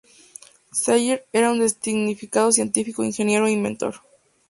Sellers era un distinguido científico, ingeniero e inventor.